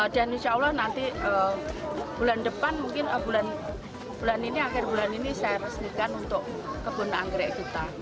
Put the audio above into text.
dan insya allah nanti bulan depan mungkin bulan ini akhir bulan ini saya resmikan untuk kebun anggrek kita